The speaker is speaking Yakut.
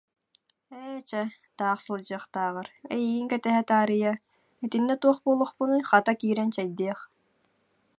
Ээ, чэ, таах сылдьыахтааҕар, эйигин кэтэһэ таарыйа, итиннэ туох буолуохпунуй, хата, киирэн чэйдиэх